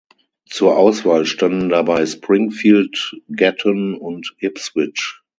Zur Auswahl standen dabei Springfield, Gatton und Ipswich.